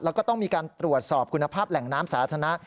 แล้วก็ต้องมีการตรวจสอบคุณภาพแหล่งน้ำสาธารณะ